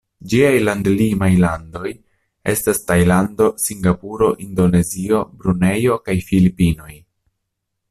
Ĝiaj land-limaj landoj estas Tajlando, Singapuro, Indonezio, Brunejo kaj Filipinoj.